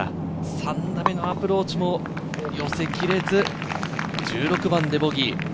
３打目のアプローチも寄せきれず、１６番でボギー。